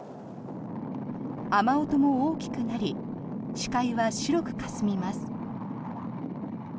雨音も大きくなり視界は白くかすみます。